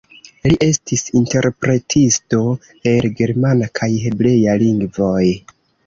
Li estis interpretisto el germana kaj hebrea lingvoj.